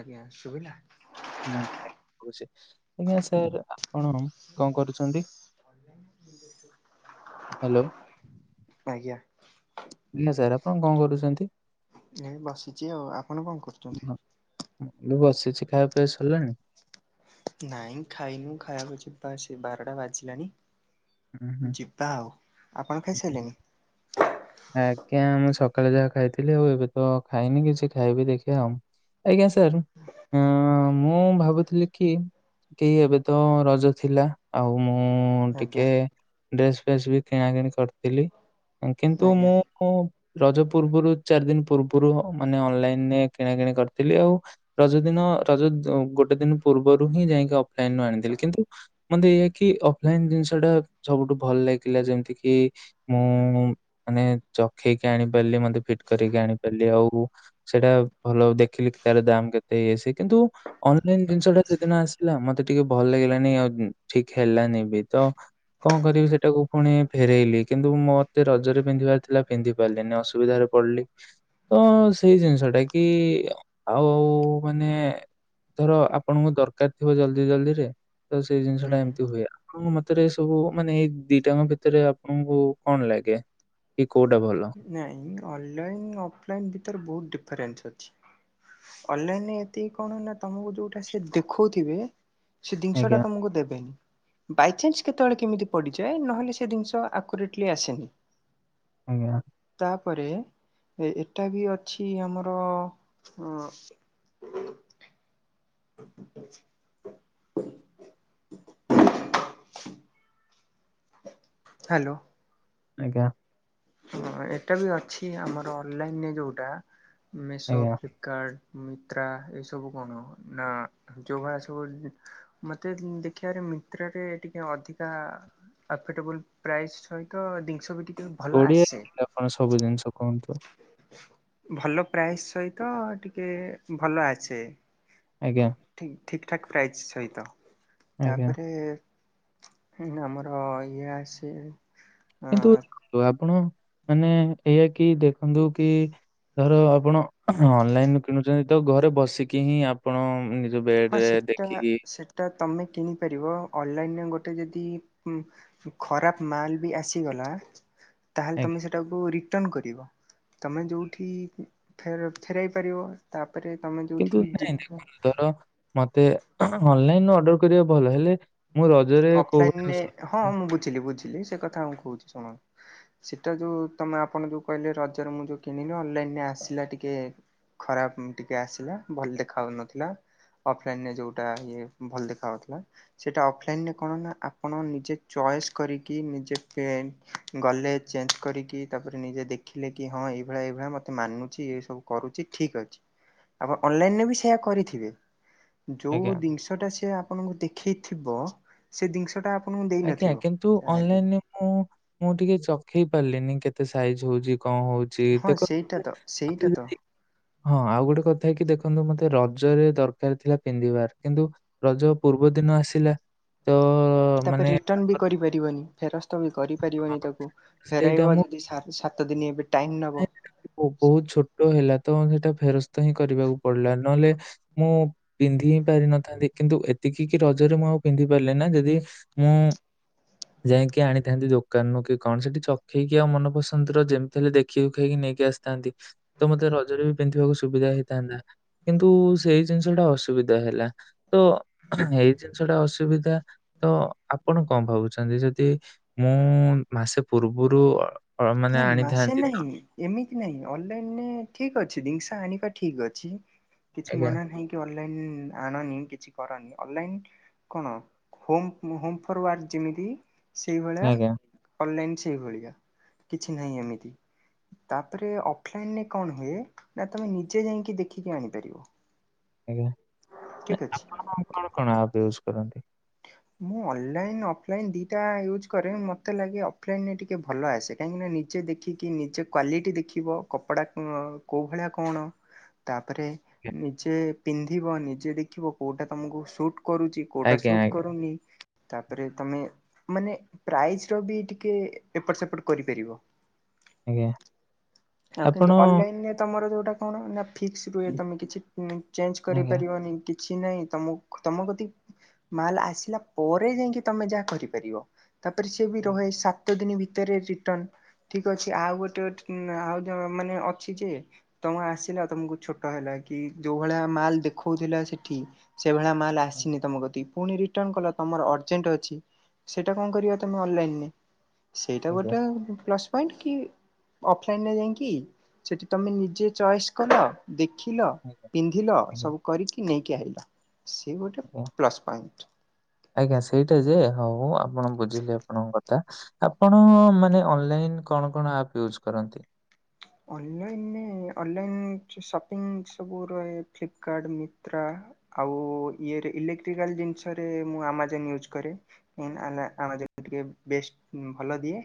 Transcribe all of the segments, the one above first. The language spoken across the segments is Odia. ଆଜ୍ଞା ଶୁଭିଲା। ଛି ଆଜ୍ଞା ସାର୍ ଆପଣ କଣ କରୁଛନ୍ତି? ହ୍ୟାଲୋ ଆଜ୍ଞା। ନା ସାର୍ ଆପଣ କଣ କରୁଛନ୍ତି? ଏଇ ବସିଛି ଆଉ ଆପଣ କଣ କରୁଛନ୍ତି? ହଁ, ବସିଛି ଖାଇବା ପିଇବା ସରିଲାଣି। ନାଇଁ ଖାଇନୁ ଖାଇବାକୁ ଯ ସେ ବାରଟା ବାଜିଲାଣି। ହୁଁ ହୁଁ ଯିବା ଆଉ ଆପଣ ଖାଇସାରିଲେନି। ଆଜ୍ଞା ଆମେ ସକାଳେ ଯାହା ଖାଇଥିଲି ଆଉ ଏବେ ତ ଖାଇନି କିଛି ଖାଇବି ଦେଖିବା ଆଉ। ଆଜ୍ଞା ସାର୍ ମୁଁ ଭାବୁଥିଲି କି। କି ଏବେ ତ ରଜ ଥିଲା ଆଉ ମୁଁ। କେ ଆଜ୍ଞା ଡ୍ରେସ ଫେସ୍ ବି କିଣା କିିଣି କରିଥିଲି। କିନ୍ତୁ ଆଜ୍ଞା ମୁଁ ରଜ ପୂର୍ବରୁ ଚାରି ଦିନ। ପୂର୍ବରୁ ମାନେ ଅନଲାଇନରେ କିଣା କିିଣି କରିଥିଲି ଆଉ ରଜ ଦିନ ରଜ ଗୋଟେ ଦିନ ପୂର୍ବ ପୂର୍ବରୁ ହିଁ ଯାଇକି ଅଫଲାଇନୁ ଆଣିଥିଲି କିନ୍ତୁ ମେ ଏଇ କି ଅଫଲାଇନ୍ ଜି ସେଟା ସବୁଠୁ ଭଲ ଲାଗିଲା ଯେମିତି କିି ମୁଁ ମାନେ ଚଖେଇକି ଆଣିବି ପାରିଲି ମତେ ଫିଟ୍ କରିକି ଆଣି ପାରିଲି ଆଉ। ସେଇଟା ଭଲ ଦେଖିଲି ତାର ଦାମ କେତେ ହେଇ କିନ୍ତୁ ଅନଲାଇନ ଜିନିଷ ଟା ସେଦିନ ଆସିଲା ମତେ ଟିକେ ଭଲ ଲାଗିଲାନି ଆଉ ଠିକ ହେଲାନି ବି, ତ କଣ କରିବି ସେଟାକୁ? ପୁଣି ଫେରେଇଲି କିନ୍ତୁ ମତେ ରଜରେ ପିନ୍ଧିବାର ଥିଲା ପିନ୍ଧି ପାରିଲିନି ଅସୁବିଧାରେ ପଡିଲି। ତ ସେଇ ଜିନିଷଟା କି ଆଉ ଆଉ ମାନେ ଧର ଆପଣଙ୍କୁ ଦରକାର ଥିବ ଜଲଦି ଜଲଦିରେ ତ ସେଇ ଜିନିଷ ହୁଁ ଟା ଏମିତି ହୁଏ। ଆପଣଙ୍କ ମତରେ ସବୁ ମାନେ ଏଇ ଦିଟାଙ୍କ ଭିତରେ ଆପଣଙ୍କୁ କଣ ଲାଗେ କି କୋଉ ନାଇଁ ଅନଲାଇନ ଅଫଲାଇନ ଭିତରେ ବହୁତ ଡିଫରେନ୍ସ ଅଛି। ଅନଲାଇନରେ ଏତିକି କଣ ନା ତମକୁ ଯୋଉଟା ସେ ଦେଖଉଥିବେ ସେ ଜିନିଷ ଆଜ୍ଞା ଟା ତମକୁ ଦେବେନି। ବାଇଚାନ୍ସ କେତେବେଳେ କେମିତି ପଡ଼ିଯାଏ, ନହେଲେ ସେ ଜିନିଷ ଆକୁରେଟଲି ଆସେନି। ଆଜ୍ଞା। ତାପରେ ଏଟା ବି ଅଛି ଆମର ଅ ହ୍ୟାଲୋ। ଆଜ୍ଞା। ହଁ ଏଟା ବି ଅଛି ଆମର ଅନଲାଇନରେ ଯୋଉଟା ମେଶୋ, ଆଜ୍ଞା। ଫ୍ଲିପକାର୍ଟ ମିନତ୍ରା ଏସବୁ କଣ ନା ଯୋଉଗୁରା ସବୁ ମତେ ଦେଖିବାରେ ମିନ୍ତ୍ରାରେ ଟିକେ ଅଧିକା ଆଫେଟେବଲ ପ୍ରାଇସ୍‌ ସହିତ ଜିନିଷ ବି ଟିକେ ଭଲ ଓଡ଼ିଆରେ ଆସେ। ଟିକେ ଆପଣ ସବୁ ଜିିନଷ କୁହନ୍ତୁ। ଭଲ ପ୍ରାଇସ୍‌‌ ସହିତ ଟିକେ ଭଲ ଆସେ। ଆଜ୍ଞା। ଠିକ ଠିକଠାକ ପ୍ରାଇସ ସହିତ, ଆଜ୍ଞା। ତାପରେ ଆମର ଇଏ ଆସେ କିନ୍ତୁ ଆପଣ ମାନେ ଏଇଆ କି ଦେଖନ୍ତୁ କି ଧର ଆପଣ ଅନଲାଇନ୍ କିଣୁଛନ୍ତି ତ ଘରେ ବସିକି ହିଁ ଆପଣ ନି ହଁ ବେଡ୍‌ରେ ସେଟା ଦେଖିକି ସେଟା ତମେ କିଣିପାରିବ ଅନଲାଇନରେ ଗୋଟେ ଯଦି ଖରାପ ମାଲ ବି ଆସିଗଲା [inaudible] ତାହେଲେ ତମେ ସେଟାକୁ ରି ରିଟର୍ନ କରିବ ତମେ ଯୋଉଠି ଫେର ଫେରାଇ ପାରିବ ତା ତାପରେ ତମେ କିନ୍ତୁ ଯୋଉଠି ନାଇଁ ଯିବ ଦେଖନ୍ତୁ ଧର ମତେ ଅନଲାଇନରେ ଅର୍ଡର୍ କରିବା ଭଲ ହେଲେ ମୁଁ ରଜରେ କୋଉ ଗୋଟେ ଅଫ୍‌ଲାଇନରେ ହଁ ଅସୁବିଧା ମୁଁ ବୁଝିଲି, ବୁଝିଲି ସେ କଥା ମୁଁ କହୁଛି ଶୁଣ। ସେଟା ଯୋଉ ତମେ ଆପଣ ଯୋଉ କହିଲେ ରଜରେ ମୁଁ ଯୋଉ କିଣିଲି ଅନଲାଇନରେ ଆସିଲା ଟିକେ ଖରାପ ଉମ୍ ଟିକେ ଆସିଲା ଭଲ ଦେଖା ଯାଉ ନଥିଲା। ଅଫ୍‌ଲାଇନରେ ଯୋଉଟା ଇଏ ଭଲ ଦେଖା ଯାଉଥିଲା। ସେଇଟା ଅଫ୍‌ଲାଇନରେ କଣ ନା ଆପଣ ନିଜେ ଚଏସ୍ କରିକି [unintelligible] ନିଜେ ଗଲେ ଚେକ୍ କରିକି ତାପରେ ନିଜେ ଦେଖିଲେ କି ହଁ ଏଇଭଳିଆ ଏଇଭଳିଆ ମତେ ମାନୁଛି, ଏ ସବୁ କରୁଛି ଠିକ ଅଛି। ଆପଣ ଅନଲାଇନରେ ବି ସେଇୟା କରିଥିବେ। ଯୋଉ ଆଜ୍ଞା, ଜିନିଷଟା ସିଏ ଆପଣଙ୍କୁ ଦେଖେଇଥିବ ସେ ଜିନିଷ ଟା ଆ ଆଜ୍ଞା କିନ୍ତୁ ଅନଲାଇନରେ ମୁଁ, ମୁଁ ଟିକେ ଚଖେଇ ପାରିଲିନି କେତେ ସାଇଜ୍‌ ହଉଛି। ହଁ ସେଇଟା ତ ସେଇଟା ତ [unintelligible] ହଁ ଆଉ ଗୋଟେ କଥାକି ଦେଖନ୍ତୁ ମତେ ରଜରେ ଦରକାର ଥିଲା ପିନ୍ଧିବାର କିନ୍ତୁ ରଜ ପୂର୍ବ ଦି ନ ଆସିଲା ତ ମାନେ ତାପରେ ରିଟର୍ନ୍ ବି ତାପରଦିନ କରି ପାରିବନି ଫେରସ୍ତ ବି କରିପାରିବନି ତାକୁ, ସେଇଟା ଫେରାଇବ ମୁଁ ଯଦି ସାତ ସାତ ସାତ ଦିନ ଏବେ ଟାଇମ ନବ ବହୁତ ଛୋଟ ହେଲା ତ ସେଟା ଫେରସ୍ତ ହିଁ କରିବାକୁ ପଡିଲା ନହେଲେ ମୁଁ ପିନ୍ଧି ହିଁ ପାରିିନଥାନ୍ତି କିନ୍ତୁ ଏତିକି କି ରଜ ରେ ମୁଁ ଆଉ ପିନ୍ଧି ପାରିଲି ନା ଯଦି ମୁଁ ଯାଇକି ଆଣିଥାନ୍ତି ଦୋକାନରୁୁ କି କଣ ସେଠି ଚଖେଇକି ଆଉ ମନ ପସନ୍ଦର ଯେମିତି ହେଲେ ଦେଖ କଷି ଖାଇକି ନେଇକି ଆସିଥାନ୍ତି ତ ମତେ ରଜରେ ବି ପିନ୍ଧିବାକୁ ସୁବିଧା ହେଇଥାନ୍ତା କିନ୍ତୁ ସେଇ ଜିନିଷ ଟା ଅସୁବିଧା ହେଲା ତ ଏଇ ଜିନିଷ ଟା ଅସୁବିଧା ତ ଆପଣ କଣ ଭାବୁଛନ୍ତି ଯଦି ମୁଁ ମାସେ ପୂର୍ବରୁ ମାନେ ମାସେ ଆଣିଥାନ୍ତି ନାଇଁ ତ ଏମିତି ନାଇଁ ଅନଲାଇନରେ ଠିକ ଅଛି ଜିନିଷ ଆଣିବା ଠିକ ଅଛି। କିଛି ଆଜ୍ଞା, ମନା ନାହିଁ କି ଅନଲାଇନ୍ ଆଣନି କିଛି କରନି ଅନଲାଇନ୍ କଣ ହୋମ୍ ହୋମ୍ ଫର୍ ୱାର୍କ ଯେମିତି ସେଇଭଳିଆ ଆଜ୍ଞା, ଅନଲାଇନ୍ ସେଇଭଳିକା କିଛି ନାହିଁ ଏମିତି ତାପରେ ଅଫ୍‌ଲାଇନରେ କଣ ହୁଏ ନା ତମେ ନିଜେ ଯାଇକି ଦେଖିକି ଆଣିପାରିବ। ଆଜ୍ଞା ନା ଠିକ ଅଛି ଆପଣ କଣ କଣ ଆପ୍ ୟୁଜ୍ କରନ୍ତି ମୁଁ ଅନଲାଇନ୍ ଅଫଲାଇନ୍ ଦିଟା ୟୁଜ୍ କରେ ମତେ ଲାଗେ ଅଫ୍‌ଲାଇନ୍ ରେ ଟିକେ ଭଲ ଆସେ କାହିଁକିନା ନିଜେ ଦେଖିକି ନିଜେ କ୍ଵାଲିଟି ଦେଖିବ କପଡ଼ା କୋଉ ଭଳିଆ କଣ ତାପରେ ନିଜେ ପିନ୍ଧିବ ନିଜେ ଦେଖିବ କୋଉଟା ତମକୁ ସୁଟ୍ କରୁଛି କୋଉଟା ଆଜ୍ଞା, ସୁଟ୍ ଆଜ୍ଞା, ଆଜ୍ଞା, କରୁନି ତାପରେ ତମେ ମାନେ ପ୍ରାଇସ୍‌ର ବି ଟିକେ ଏପଟ ସେପଟ କରିପାରିବ। ଆଜ୍ଞା ଆଉ ଆପଣ କିନ୍ତୁ ଅନଲାଇନ୍‌ ତମର ଯୋଉଟା କଣ ନା ଫିକ୍ସ୍ ରୁହେ ତମେ କିଛି ଚେଞ୍ଜ୍ ଆଜ୍ଞା, କରିପାରିବନି କିଛି ନାହିଁ ତମ ତମପ୍ରତି ମାଲ ଆସିଲା ପରେ ଯାଇକି ତମେ ଯାହା କରିପାରିବ ତାପରେ ସିଏ ବି ରହେ ଆଜ୍ଞା, ସାତ ଦିନ ଭିତରେ ରିଟର୍ଣ ଠିକ ଅଛି ଆଉ ଗୋଟେ ଆଉ ମାନେ ଅଛି ଯେ ତମ ଆସିଲା ତମକୁ ଛୋଟ ହେଲା କି ଯୋଉ ଭଳିଆ ମାଲ ଦେଖଉଥିଲା ସେଠି ସେଭଳିଆ ମା ହେଲା ଆସିନି ତମ କତି ପୁଣି ରିଟର୍ଣ କଲ ତମର ଅର୍ଜେଣ୍ଟ ଅଛି ସେଟା କଣ କରିବା ତମେ ଅନଲାଇନରେ ସେଇଟା ଆଜ୍ଞା, ଆଜ୍ଞା, ଗୋଟେ ପ୍ଲସ୍ ପଏଣ୍ଟ କି ଅଫଲାଇନରେ ଯାଇକି କି ସେଠି ତମେ ନିଜେ ଚଏସ୍ କଲ ଦେ ଦେଖିଲ ପିନ୍ଧିଲ ଆଜ୍ଞା, ସବୁ କରିକି ନେଇକି ଆଇଲ ସେ ଗୋଟେ ଆଜ୍ଞା। ପ୍ଲସ ପଏଣ୍ଟ ଆଜ୍ଞା ସେଇଟା ଯେ ହଉ ଆପଣ ବୁଝିଲି ଆପଣଙ୍କ କଥା ଆପଣ ମାନେ ଅନଲାଇନ କଣ କଣ ଆପ ୟୁଜକରନ୍ତି ଅନଲାଇନ ଅନଲାଇନ୍ ସପିଙ୍ଗ ସବୁ ରହେ ଫ୍ଲିପକାର୍ଟ ମିତ୍ରା ଆଉ ଇଏ ଇଲେକ୍ଟ୍ରିକାଲ ଜିନିଷରେ ମୁଁ ଆମାଜନ୍ ୟୁଜ କରେ ଟିକେ ବଷ୍ଟ ଭଲ ଦିଏ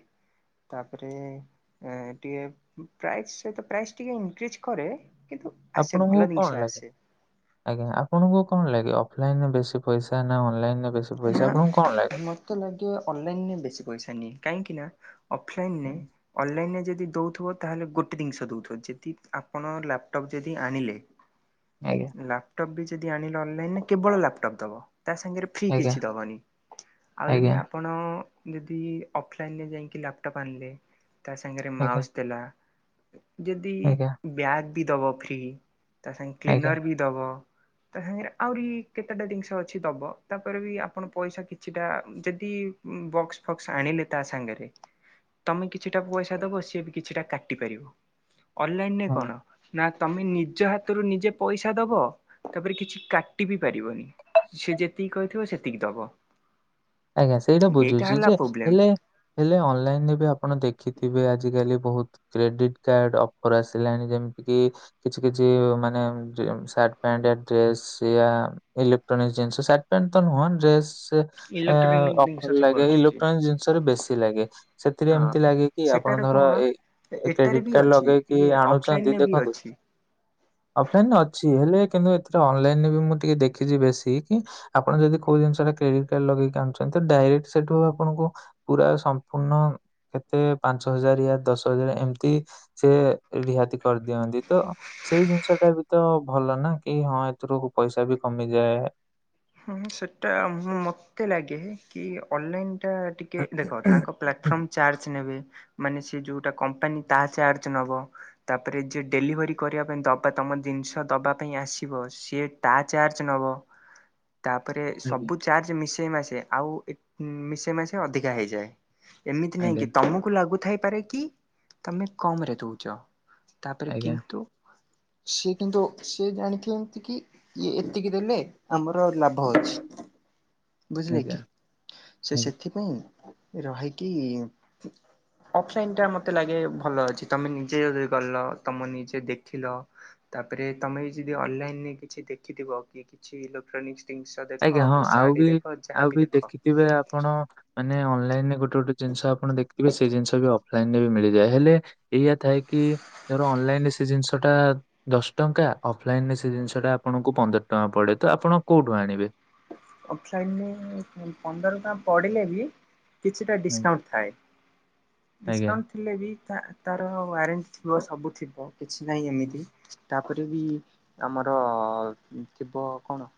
ତାପରେ ଟିକେ ପ୍ରାଇସ ସେ ତ ପ୍ରାଇସ ଟିକେ ଇନକ୍ରିଜ କରେ କିନ୍ତୁ ଆସେ ଭଲ ଆପଣଙ୍କୁ ଜିନିଷ କଣ ଲାଗେ ଆସେ। ଆଜ୍ଞା ଆପଣଙ୍କୁ କଣ ଲାଗେ ଅଫଲାଇନରେ ବେଶୀ ପଇସା ନା ଅନଲାଇନ ନା ମତ ତେ ଲାଗେ ଅନଲାଇନରେ ବେଶି ପଇସା ନିଏ କାହିଁକି ନା ଅଫଲାଇନ ହୁଁ, ଅନଲାଇନ ଯଦି ଯଦ ଦଉଥିବ ତାହେଲେ ଗୋଟେ ଜିନିଷ ଦଉଥିବ ଯଦି ଆପଣ ଲାପଟପ୍ ଯଦି ଆଣିଲେ ଆଜ୍ଞା, ଲାପଟପ୍ ବି ଯଦି ଆଣିଲେ ଅନଲାଇନ ନା କେବଳ ଲାପଟପ ଦବା ତା ସାଙ୍ଗେ ଫ୍ରି ଆଜ୍ଞା, କିଛି ଦବନି ଆଉ ଯଦି ଆଜ୍ଞା, ଆପଣ ଯଦି ଅଫଲାଇନରେ ଯାଇକି ଲାପଟପ୍ ଆଣିଲେ ତା ସାଙ୍ଗରେ ଆଜ୍ଞା, ମାଉସ ଦେଲା ଯଦି ଆଜ୍ଞା, ବ୍ୟାଗ୍ ବି ଦବ ଫ୍ରି ତା ସାଙ୍ଗେ ଆଜ୍ଞା, କ୍ଲିନର୍ ବି ଦବ ତା ସାଙ୍ଗରେ ଆହୁରି କେତେଟା ଜିନିଷ ଅଛି ଦବ ତାପରେ ବି ଆପଣ ପଇସା କିଛିଟା ଯଦି ବକ୍ସ ଫକ୍ସ ଆଣିଲେ ତା ସାଙ୍ଗରେ ତମେ କିଛିଟା ପଇସା ଦବ ସିଏ ବି କିଛିଟା କାଟି ପାରିବ ଅନଲାଇନରେ ହୁଁ। କଣ ନା ତମେ ନିଜ ହାତରୁ ନିଜେ ପଇସା ଦବ ତାପରେ କିଛି କାଟି ବିି ପାରିବନି ସେ ଯେ ସେତିକି କହିଥିବ ସେତିକି ଦବ ଆଜ୍ଞା ସେଇଟା ଏଇଟା ବୁଝୁଛି ହେଲା ଯେ ପ୍ରୋବ୍ଲେମ ହେଲେ ହେଲେ ଅନଲାଇନରେ ବି ଆପଣ ଦେଖିଥିବେ ଆଜିକାଲି ବ କ୍ରେଡିଟ କାଡ ଅଫର ଆସିଲାଣି ଯେମିତି କି କିଛି କିଛି ମାନେ ପ ଡ୍ରେସ ଇଲେକ୍ଟ୍ରନିକ ଜିନିଷ ଶାର୍ଟ ପ୍ୟାଣ୍ଟ ତ ନୁହଁ ଡ୍ରେସ ଇଲେକ୍ଟ୍ରୋନିକ ଜିନିଷ ଅଫର ସବୁ ଲାଗେ ଆସୁଛି। ଇଲେକ୍ଟ୍ରୋନିକ ଜିନିଷରେ ବେଶୀ ଲାଗେ, ସେଥିରେ ହଁ ଏମତି ଲାଗେ କି ସେଟାରେ ଆପଣ ର କଣ ଏ ଏଟାରେ କ୍ରେଡିଟ ବି କାର୍ଡ ଅଛି ଲଗେଇକି ଇଏ ଆଣୁଛନ୍ତି ଅଫଲାଇନରେ ବି ଦେଖନ୍ତୁ ଅଛି। ଅଫଲାଇନରେ ଅଛି ହେଲେ କିନ୍ତୁ ଏଥିରେ ଅନଲାଇନ ରେ ବି ମୁଁ ଟିକେ ଦେଖିଛି, ବେଶୀ କି ଆପଣ ଯଦି କୋଉ ଜିନିଷ ଟା କ୍ରେଡିଟ୍ କାର୍ଡ ଲଗେଇକି ଡାଇକ୍ଟ ସେଠୁ ଆପଣଙ୍କୁ ପୁରା ସମ୍ପୂର୍ଣ କେତେ ପାଞ୍ଚ ହଜାରୟ ଦ ଔଷରେ ଏମତି ସେ ରିହାତି କରିଦିଅନ୍ତି, ତ ସେଇ ଜିନିଷ ଟା ବି ତ ଭଲ ନା କି ହଁ ଏଥିରୁ ପଇସା ବି କମିଯାଏ। ହୁଁ ସେଟା ମତେ ଲାଗେ କି ଅନଲାଇନ ସେଟା ଟିକେ ଦେଖ ତାଙ୍କ ପ୍ଲାଟଫର୍ମ ଚାର୍ଜ ନେବେ ମାନେ ସେ ଯୋଉଟା କମ୍ପାନୀ ତାହା ଚାର୍ଜ ନବ ତାପରେ ଯିଏ। ଡେଲିଭରି କରିବା ପାଇଁ ଦବା ତମ ଜିନିଷ ଦେବା ପାଇଁ ଆସିବ ସିଏ ତା ଚାର୍ଜ ନେବ ତାପରେ ଆଜ୍ଞା ସବୁ ଚାର୍ଜ ମିଶେଇ ମାସେ ଆଉ ମିଶେଇ ମାସେ ଅଧିକା ହେଇଯାଏ। ଏମିତି ନାହିଁ ଆଜ୍ଞା କି ତମକୁ ଲାଗୁଥପାରେ କି? ତମେ କମ ରେ ଦଉଛ ତାପରେ ଆଜ୍ଞା କିନ୍ତୁ, ସେ କିନ୍ତୁ ସିଏ ଜାଣିଥ କି ଇଏ ଏତିକି ଦେଲେ ଆମର ଲାଭ ଅଛି ବୁଝିଲେ ଆଜ୍ଞା କି ସେ ଆଜ୍ଞା। ସେଥିପାଇଁ ରହାଇ କି? ଅଫଲାଇନ ଟା ମତେ ଲାଗେ ଭଲ ଅଛି, ତମେ ନିଜେ ଯ ଗଲ ତମେ ନିଜେ ଦେଖିଲ ତାପରେ ତମେ ବି ଯଦି ଅନଲାଇନରେ କିଛି ଦେଖିଥିବ, କି କିଛି ଇଲେକ୍ଟ୍ରୋନିକ୍ସ ଜିନିଷ ଆଜ୍ଞା ଦେଖ ହଁ କି ଆଉ ବି ଶାଢୀ ଦେଖ ଆଉ ଯାହାବି ବି ଦେଖ ଦେଖିଥିବେ ଆପଣ ମାନେ ଅନଲାଇନ ରେ ଗୋଟେ ଗୋଟେ ଜିନିଷ ଆପଣ ଦେଖଥିବେ, ସେଇ ଜିନିଷ ବି ଅଫଲାଇନ ରେ ବି ମିଳିଯାଏ ହେଲେ ଏଇଆ ଥାଏ କି ର ଅନଲାଇନ ରେ ସେ ଜିନିଷ ଟା ଦଶ ଟଙ୍କା ଅଫଲାଇନ ରେ ସେ ଜିନିଷ ଟା ଆପଣଙ୍କୁ ପନ୍ଦର ଟଙ୍କା ପଡେ ତ ଆପଣ କୋଉଠୁ ଆଣିବେ? ଅଫଲାଇନରେ ପନ୍ଦର ଟଙ୍କା ପଡିଲେ ବି କିଛିଟା ଆଜ୍ଞା ଡିସକାଉଣ୍ଟ ଥାଏ ଆଜ୍ଞା ଡିସକାଉଣ୍ଟ ଥିଲେ ବି ତାର ୱାରେଣ୍ଟି ଥିବ ସବୁ ଥିବ କିଛି ନାହିଁ, ଏମିତି ତାପରେ ବି ଆମ ଆର ଥିବ କଣ?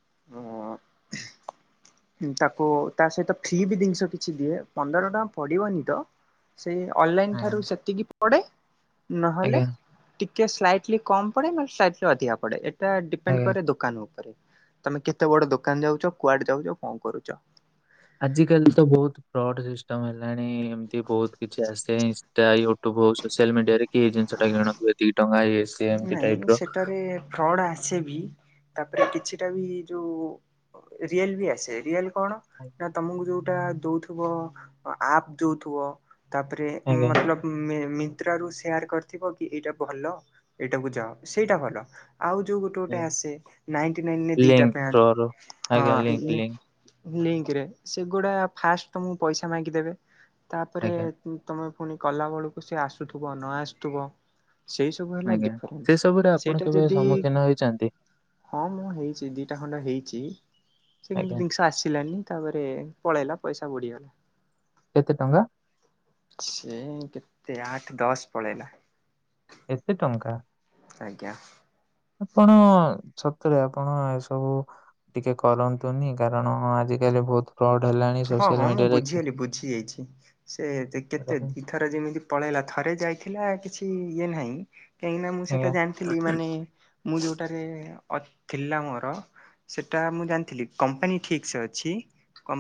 ହଁ। [inaudible] ତାକୁ ତା ସହିତ ଫ୍ରି ବି ଜିନିଷ କିଛି ଦିଏ। ପନ୍ଦର ଟଙ୍କା ପଡିବନି ତ ସେ ଅନଲାଇନ ଆଜ୍ଞା। ଠାରୁ ସେତିକି ପଡେ ନହେଲେ ଆଜ୍ଞା କିଏ ସ୍ଲାଇଟଲି କମ୍ ପଡ଼େ ନା ସ୍ଲାଇଟଲି ଅଧିକା ପଡ଼େ, ଏଟା ଡିପେଣ୍ଡ ଆଜ୍ଞା। କରେ ଦୋକାନ ଉପରେ ତମେ କେତେ ବଡ ଦୋକାନ ଯାଉଛ, କୁଆଡେ ଯାଉଛ, କଣ କରୁଛ? ଆଜ କାଲି ତ ବହୁତ ଫ୍ରଡ ସିଷ୍ଟମ ହେଲାଣି ଏମତି ବହୁତ କିଛି ଆସି ସେଇ ଇନଷ୍ଟା, ୟୁଟୁବ ହଉ ସୋସିଆଲ ମିଡିଆରେ କି ଜିନିଷ ଟା କିଣୁ ଏ ନାଇଁ ସେଠାରେ ଫ୍ରଡ ଆସେ ବି ତାପରେ କିଛିଟା ବି ଯୋଉ ରିଲ ବି ଆସେ ରିଲ କଣ ଆଜ୍ଞା। ନା ତମକୁ ଯୋଉ ଟା ଦଉଥିବ ଆପ୍ ଦଉଥିବ ତାପରେ ଆଜ୍ଞା। ମତଲବ ର ସେୟାର କରିଥିବ କି ଏଇଟା ଭଲ ଏଇଟାକୁ ଯାଅ ସେଇଟା ଭଲ ଆଉ ଯୋଉ ଗୋଟେ ଗୋଟେ ଆସେ ନାଇଣ୍ଟି ନାଇନ ରେ ଦିଟା ଲିଙ୍କ ପ୍ୟାଣ୍ଟ ଥ୍ରୋରୁ ଆଜ୍ଞା ଲିଙ୍କ ହଁ ଲିଙ୍କ ଲିଙ୍କରେ ସେଗୁଡ଼ା ଫାଷ୍ଟ ତମକୁ ପଇସା ମାଗିଦେବେ ତାପରେ ଆଜ୍ଞା ତୁମେ ପୁଣି କଲା ବେଳକୁ ସେ ଆସୁଥିବ ନ ଆସୁଥିବ ସେଇ ସବୁ ହେଲା ଆଜ୍ଞା। ଡିଫରେନ୍ସ ସେ ସବୁରେ ଆପଣ ସେଇଟା କେବେ ଯଦି ସମ୍ମୁଖୀନ ହେଇଛନ୍ତି ହଁ ମୁଁ ହେଇଛି ଦିଟା ଖଣ୍ଡ ହେଇଛି। ସେ କିୁ ଆଜ୍ଞା ଜିନିଷ ଆସିଲାନି ତାପରେ ପଳେଇଲା ପଇସା କେତେ ଟଙ୍କା? ବୁଡ଼ିଗଲା। ସେ କେତେ ଆଠ, ଦଶ ପଳେଇଲା। ଏତେ ଟଙ୍କା ଆଜ୍ଞା। ଆପଣ ସତରେ ଆପଣ ଏସବୁ ଟିକେ କରନ୍ତୁନି କାରଣ ଆଜିକାଲି ବହୁତ ଫ୍ରଡ ହେଲାଣି ହଁ ହଁ ସୋସିଆଲ ମୁଁ ମିଡିଆରେ କି ବୁଝିଗଲି ବୁଝି ଯାଇଛି ସେ ଆଜ୍ଞା କେତେ ଦିଇ ଥର ଯେମିତି ପଳେଇଲା ଥରେ ଯାଇଥିଲା କିଛି କି ଇଏ ନାହିଁ କାହିଁକିନା ମୁଁ ସେଟା ଜାଣିଥିଲି ମାନେ ମୁଁ ଯୋଉଟାରେ ଥିଲା ମୋର ସେଇଟା ମୁଁ ଜାଣିଥିଲି କମ୍ପାନୀ ଠିକ୍ ସେ ଅଛି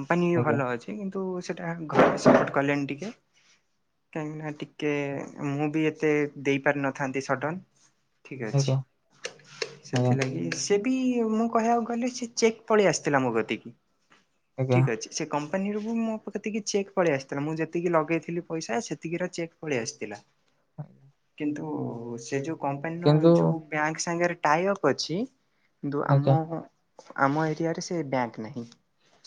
ପନି ବି ଆଜ୍ଞା ଭଲ ଅଛି କିନ୍ତୁ ସେଟା ଘରେ ସପୋର୍ଟ କଲେଣିି ଟିକେ କାହିଁକିନା କେ ମୁଁ ବି ଏତେ ଦେଇପାରିନଥାନ୍ତି ସଡ଼ନ। ଠିକ ଅଛି ଆଜ୍ଞା ଆଜ୍ଞା ସେଥିଲାଗି ସେ ବି ମୁଁ କହିବାକୁ ଗଲେ ସେ ଚେକ୍ ପଳେଇ ଆସିଥିଲା ମୋ କତିକି। ଆଜ୍ଞା। ଠିକ୍ ଅଛି ସେ କମ୍ କମ୍ପାନୀରୁ ମୋ କତିକି ଚେକ୍ ପଳେଇ ଆସିଥିଲା ମୁଁ ଯେତିକି ଲଗେଇଥିଲି ପଇସା ସେତିକି ଚେକ୍ ପଳେଇ ଆସିଥିଲା। ଭାଇଞା [inaudible] କିନ୍ତୁ ସେ ଯୋଉ କମ୍ପାନୀର ଯୋଉ ବ୍ୟାଙ୍କ ସାଙ୍ଗରେ ଟାଇ ଅପ ଅଛି କିନ୍ତୁ ଆଜ୍ଞା ଆମ ଆମ ଏରିଆରେ ସେ ବ୍ୟାଙ୍କ ନାହିଁ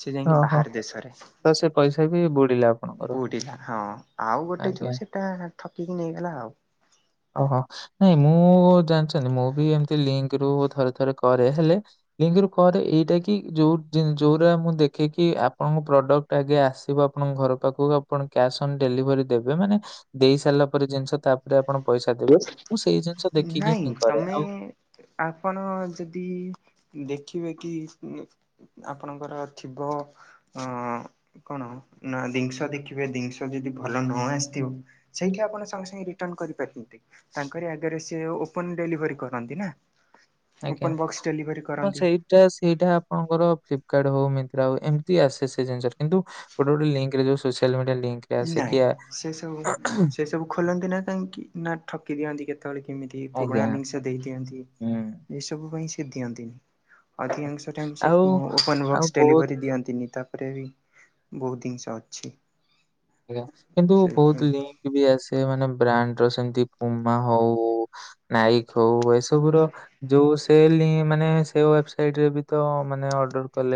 ସେ ଯାଇକି ଓହୋ ବାହାର ଦେଶରେ। ତ ସେ ପଇସା ବି ବୁଡିଲା ଆପଣଙ୍କର ବୁଢିଲା ହଁ ଆଉ ଗୋଟେ ଆଜ୍ଞା। ଯୋଉ ସେଟା ଠକିକି ନେଇଗଲା ଆଉ। ଓହୋ ନାଇଁ ମୁଁ ଜାଣିଛନ୍ତି ମୁଁ ବି ଏମତି ଲିଙ୍କ ରୁ ଥରେ ଥରେ କରେ ହେଲେ ଲିଙ୍କ କରେ ଏଇଟା କି ଯୋଉ ଯୋଉଟା ମୁଁ ଦେଖିକି ଆପଣଙ୍କ ପ୍ରଡକ୍ଟ ଆଗେ ଆସିବ ଆଫଣଙ୍କ ଘର ପାଖକୁ ଆପଣ କ୍ୟାସ ଅନ୍ ଡେଲିଭରୀ ଦେବେ ମାନେ ଦେଇ ସାରିଲା ପରେ ଜିଷସ ତାପରେ ପଇସା ଦେବେ। ମୁଁ ସେଇ ଜିନିଷ ଦେଖିକି ନାଇଁ ହିଁ କରେ। ତମେ ଆଉ ଆପଣ ଯଦି ଦେଖିବେ କି? ଆପଣଙ୍କର ଥିବ ଅ କଣ ନା ଦିନଷ ଦେଖିବେ ଦିନିଷ ଯଦି ଭଲ ନୁହଁ ଆସିଥିବ, ସେଇଠି ଆପଣ ସଙ୍ଗେ ସଙ୍ଗେ ରିଟର୍ନ କରିପାରୁଛନ୍ତି। ତାଙ୍କରି ଆଗରେ ସିଏ ଓପନ ଡେଲିଭରି କରନ୍ତି ନା ଓପନ ଆଜ୍ଞା ବକ୍ସ ଡେଲିଭରି କରନ୍ତି। ସେଇଟା ସେଇଟା ଆପଣଙ୍କର ଥିବ ଫ୍ଲିପକାର୍ଟ ହଉ ମିନ୍ତ୍ରା ହଉ ଏମତି ଆସେ ସେ ଜିନିଷରେ କିନ୍ତୁ ଗୋଟେ ଗୋଟେ ଲିଙ୍କରେ ଯୋଉ ସୋସିଆଲ ମିଡ଼ିଆରେ। ନାଇଁ ସେ ସବୁ ସେ ସବୁ ଖୋଲନ୍ତି ନା କାହିଁକି ନା ଠକି ଦିଅନ୍ତି କେତେ? କେତେବେଳେ କେମିତି ପୁରୁଣା ଆଜ୍ଞା। ଜିନିଷ ଦେଇ ଦିଅନ୍ତି। ହୁଁ। ଏଇ ସବୁ ପାଇଁ ସେ ଦିଅନ୍ତି। ଅଧିକାଂଶ ଟାଇମ୍ ସେ ଆଉ ଓପନ୍ ଆଉ ବକ୍ସ ବହୁତ ଡେଲିଭରି ଦିଅନ୍ତିନି ତ ରେ ବି ବହୁତ ଜିନିଷ ଅଛି। ଆଜ୍ଞା କିନ୍ତୁ ସେଇଥିପାଇଁ। ବହୁତ ଲିଙ୍କ ବି ଆସେ ମାନେ ବ୍ରାଣ୍ଡ ର ସେମତି ପୁମା ହଉ ନାଇକ ହଉ ଏସବୁ ର ଯୋଉ ସେଲ ମାନେ ସେ ୱେବ୍ ସାଇଟରେ ତ ଅର୍ଡର କଲେ।